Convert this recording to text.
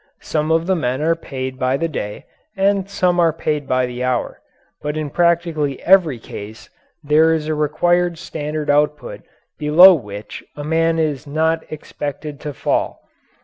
Some of the men are paid by the day and some are paid by the hour, but in practically every case there is a required standard output below which a man is not expected to fall.